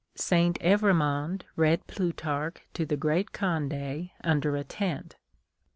Saint Evremond read Plutarch to the great Condo under a tent.